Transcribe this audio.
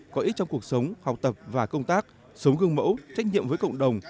có ích trong cuộc sống học tập và công tác sống gương mẫu trách nhiệm với cộng đồng